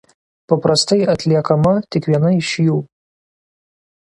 Paprastai atliekama tik viena iš jų.